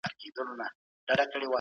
ایا ځايي کروندګر وچه الوچه ساتي؟